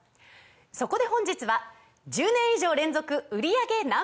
そこで本日は１０年以上連続売り上げＮｏ．１